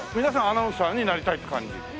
皆さんアナウンサーになりたいって感じ？